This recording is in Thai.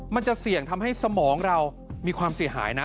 มันจะเสี่ยงทำให้สมองเรามีความเสียหายนะ